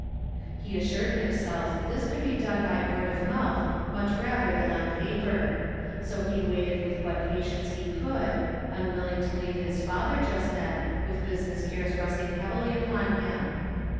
He assured himself that this could be done by word of mouth much better than «.ti paper; so he waited with what patience he could, unwilling to leave his father just then, with bii iness cares resting heavily upon him.